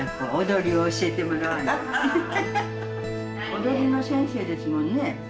踊りの先生ですもんね。